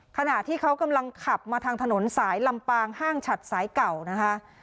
ขณะที่เขากำลังขับมาทางถนนสายลำปางห้างฉัดสายเก่านะคะ